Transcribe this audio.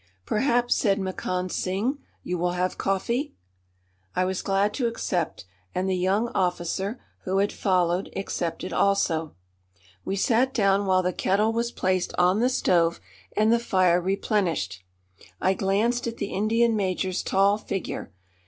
"Perhaps," said Makand Singh, "you will have coffee?" I was glad to accept, and the young officer, who had followed, accepted also. We sat down while the kettle was placed on the stove and the fire replenished. I glanced at the Indian major's tall figure.